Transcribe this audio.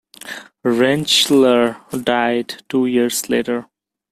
Rentschler died two years later.